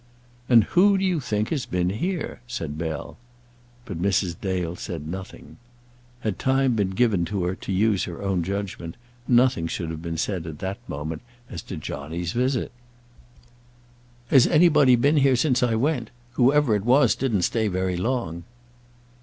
"And who do you think has been here?" said Bell. But Mrs. Dale said nothing. Had time been given to her to use her own judgment, nothing should have been said at that moment as to Johnny's visit. "Has anybody been here since I went? Whoever it was didn't stay very long."